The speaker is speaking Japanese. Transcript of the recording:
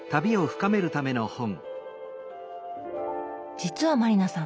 実は満里奈さん